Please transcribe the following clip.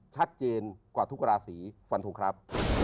ชัดเจนกว่าทุกราศีฟันทงครับ